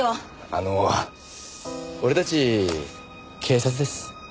あの俺たち警察です。